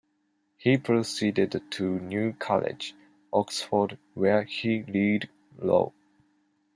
He proceeded to New College, Oxford, where he read Law.